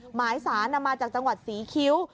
หมายสารมาจากจังหวัดศรีคิ้ว